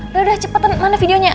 udah udah cepet mana videonya